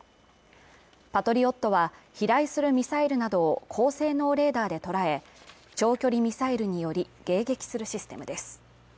パトリオットは飛来するミサイルなどを高性能レーダーで捉え、長距離ミサイルにより、迎撃するシステムです。